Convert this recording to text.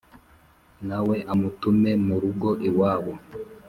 na we amutumemu rugo iwabo,